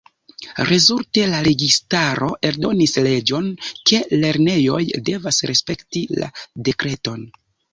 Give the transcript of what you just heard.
Rezulte, la registaro eldonis leĝon ke lernejoj devas respekti la Dekreton.